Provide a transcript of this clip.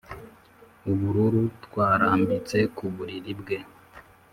ubururu twarambitse ku buriri bwe.